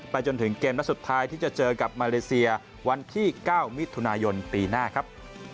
จนถึงเกมนัดสุดท้ายที่จะเจอกับมาเลเซียวันที่๙มิถุนายนปีหน้าครับ